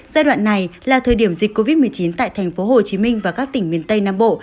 giai đoạn này là thời điểm dịch covid một mươi chín tại tp hcm và các tỉnh miền tây nam bộ